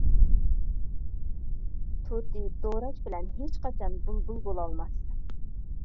تۇتى دوراش بىلەن ھېچقاچان بۇلبۇل بولالماس.